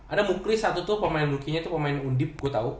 ada mukri satu tuh pemain rookienya tuh pemain undip gue tau